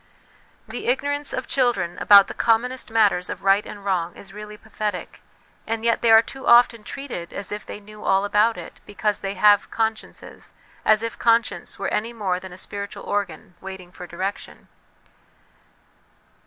The ignorance of children THE WILL CONSCIENCE DIVINE LIFE 339 about the commonest matters of right and wrong is really pathetic ; and yet they are too often treated as if they knew all about it, because 'they have consciences/ as if conscience were any more than a spiritual organ waiting for direction